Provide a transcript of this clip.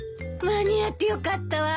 間に合ってよかったわ。